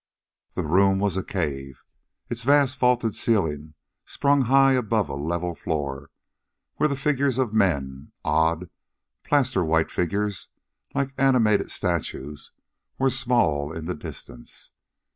The room was a cave, its vast vaulted ceiling sprung high above a level floor, where the figures of men odd, plaster white figures like animated statues were small in the distance.